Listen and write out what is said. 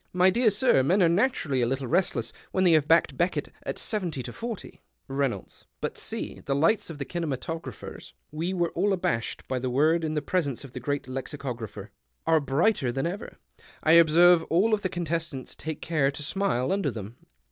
—" My dear sir, men arc naturally a little restless, when they have backed Beckett at 70 to •iO." Reynolds. —" But, see, the lights of the kinematographers " (we were all abashed by the word in the presence of the Great Lexicographer) " arc brighter than ever. I observe all the con testants take care to smile under them."